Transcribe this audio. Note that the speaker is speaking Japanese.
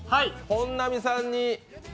本並さん